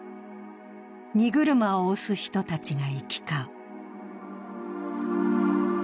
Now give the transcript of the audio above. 荷車を押す人たちが行き交う。